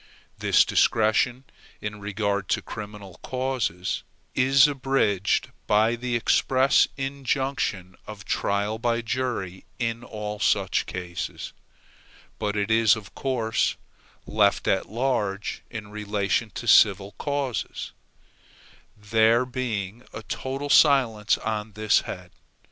This discretion, in regard to criminal causes, is abridged by the express injunction of trial by jury in all such cases; but it is, of course, left at large in relation to civil causes, there being a total silence on this head.